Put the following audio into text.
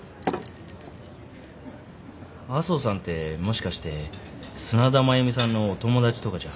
麻生さんってもしかして砂田繭美さんのお友達とかじゃ？